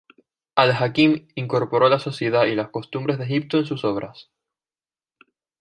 Al-Hakim incorporó la sociedad y las costumbres de Egipto en sus obras.